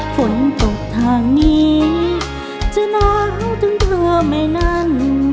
ฝนตกทางนี้จะน้าวจนเตลอไม่นั้น